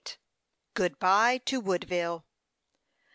GOOD BYE TO WOODVILLE.